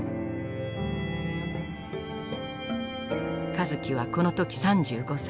香月はこの時３５歳。